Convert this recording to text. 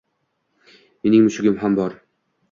Mening mushugim ham bor.